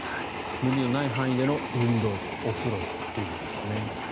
無理のない範囲での運動とお風呂ということですね。